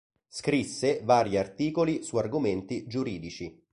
Scrisse vari articoli su argomenti giuridici.